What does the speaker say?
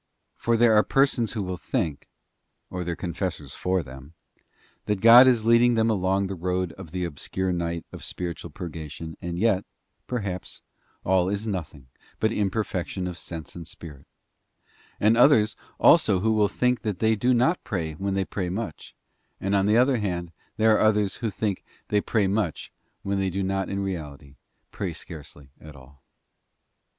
For there are per sons who will think, or their confessors for them, that God is leading them along the road of the obscure night of spiritual purgation, and yet, perhaps, all is nothing but imperfection of sense and spirit; and others also who will think they do not pray when they pray much, and, on the other hand, there are others who think they pray much when they do not in reality pray scarcely at all.